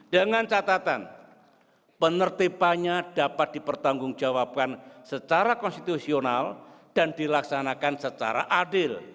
dengan catatan penertipannya dapat dipertanggungjawabkan secara konstitusional dan dilaksanakan secara adil